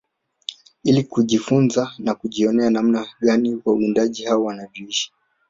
Ili tu kujifunza na kujionea namna gani wawindaji hao wanavyoishi